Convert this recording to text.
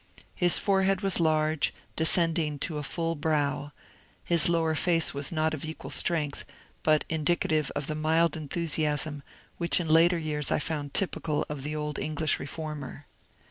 His forehead was large, descending to a full brow ; his lower face was not of equal strength, but indicative of the mild enthusiasm which in later years I found typical of the old English reformer.